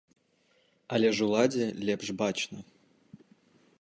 Але ж уладзе лепш бачна!